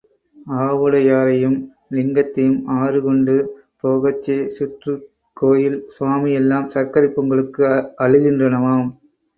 ஆவுடையாரையும் லிங்கத்தையும் ஆறு கொண்டு போகச்சே சுற்றுக் கோயில் சுவாமி எல்லாம் சர்க்கரைப் பொங்கலுக்கு அழுகின்றனவாம்.